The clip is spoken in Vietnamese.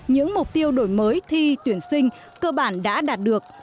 những mục tiêu đổi mới thi tuyển sinh cơ bản đã đạt được